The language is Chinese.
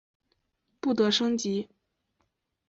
不得升级。